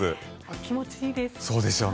気持ちいいです。